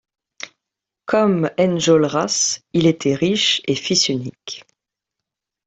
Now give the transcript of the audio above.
Comme Enjolras, il était riche et fils unique.